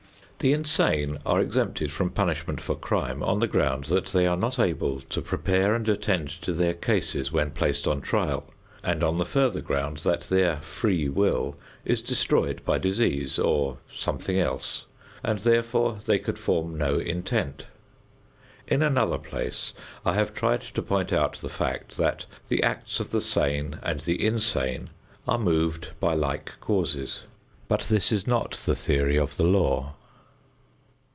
The insane are exempted from punishment for crime on the ground that they are not able to prepare and attend to their cases when placed on trial and on the further ground that their "free will" is destroyed by disease or "something else," and therefore they could form no intent. In another place I have tried to point out the fact that the acts of the sane and the insane are moved by like causes, but this is not the theory of the law.